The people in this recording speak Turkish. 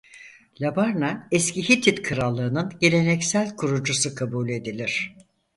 Labarna Eski Hitit Krallığı'nın geleneksel kurucusu kabul edilir.